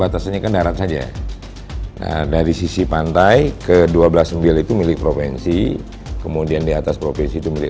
hai ada di sisi pantai ke dua belas mobil itu milik provinsi kemudian di atas provinsi itu milik